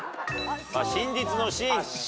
「真実」の「真」